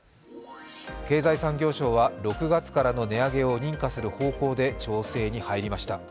経済産業省は６月からの値上げを認可する方向で調整に入りました。